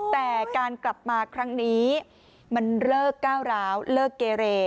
แต่การกลับมาครั้งนี้มันเลิกก้าวร้าวเลิกเกเร